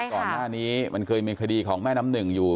ก่อนหน้านี้มันเคยมีคดีของแม่น้ำหนึ่งอยู่